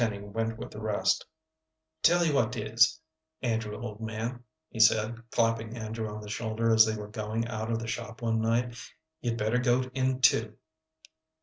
Jim Tenny went with the rest. "Tell you what 'tis, Andrew, old man," he said, clapping Andrew on the shoulder as they were going out of the shop one night, "you'd better go in too."